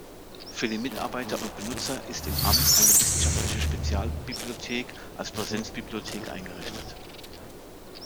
Für die Mitarbeiter und Benutzer ist im Amt eine wissenschaftliche Spezialbibliothek als Präsenzbibliothek eingerichtet.